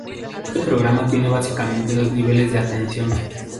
Este programa tiene básicamente dos niveles de atención.